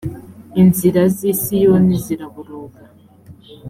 inzira z i siyoni ziraboroga